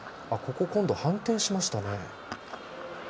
今度、反転しましたね。